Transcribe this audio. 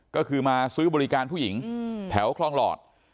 ก็คือมาซื้อบริการผู้หญิงแถวคลองหลอด